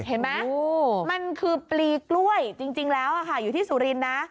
เห็นไหมมันคือปลีกล้วยจริงแล้วอยู่ที่สุรินทร์นะ